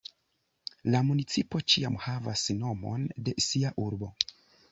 La municipo ĉiam havas nomon de sia urbo.